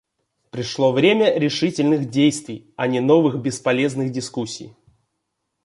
Пришло время решительных действий, а не новых бесполезных дискуссий.